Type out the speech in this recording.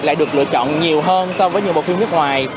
lại được lựa chọn nhiều hơn so với nhiều bộ phim nước ngoài